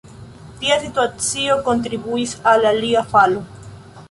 Tia situacio kontribuis al ilia falo.